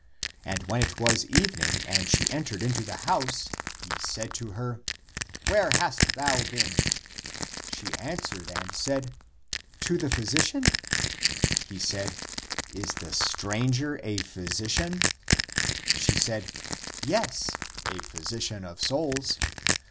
And when it was evening and she entered into the house, he said to her, " Where hast thou been ?" She answered and said, " To the physi cian?" He said, "Is the stranger a physician?" She said, *' Yes, a physician of souls.